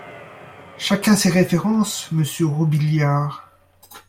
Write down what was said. Chacun ses références, monsieur Robiliard